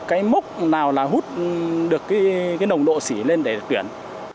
cái mốc nào là hút được cái nồng độ xỉ lên để tuyển